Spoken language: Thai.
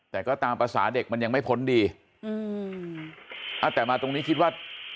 แต่ก็ตามภาษาเด็กมันยังไม่พ้นดีอืมอ่าแต่มาตรงนี้คิดว่า